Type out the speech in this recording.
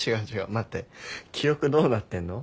待って記憶どうなってんの？